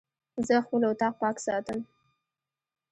زه خپل اطاق پاک ساتم.